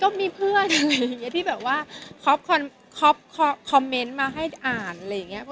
ก็มีเพื่อนอะไรอย่างนี้ที่แบบว่าคอปคอมเมนต์มาให้อ่านอะไรอย่างนี้